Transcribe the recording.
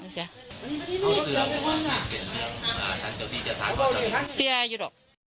เสียอยู่หรอก